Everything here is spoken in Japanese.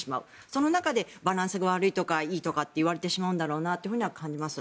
その中でバランスが悪いとかいいとか言われてしまうんだろうなとは感じます。